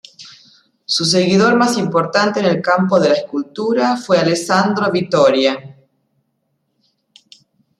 Su seguidor más importante en el campo de la escultura fue Alessandro Vittoria.